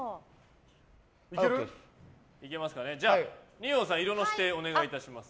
二葉さん、色の指定お願いします。